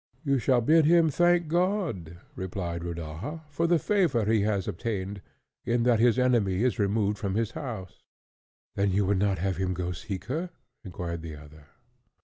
"You shall bid him thank God," replied Rodaja, "for the favour he has obtained, in that his enemy is removed from his house." "Then you would not have him go seek her?" inquired the other.